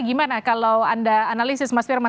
gimana kalau anda analisis mas firman